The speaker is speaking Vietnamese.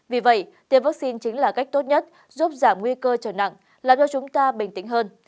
vì vậy tiêm vắc xin chính là cách tốt nhất giúp giảm nguy cơ trở nặng làm cho chúng ta bình tĩnh hơn